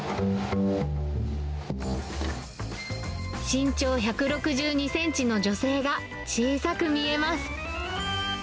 身長１６２センチの女性が、小さく見えます。